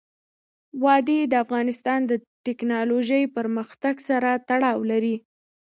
وادي د افغانستان د تکنالوژۍ پرمختګ سره تړاو لري.